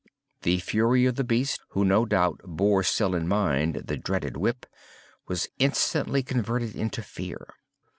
The fury of the beast, who no doubt bore still in mind the dreaded whip, was instantly converted into fear.